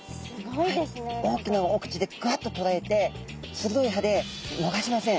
大きなお口でグワッととらえて鋭い歯で逃しません。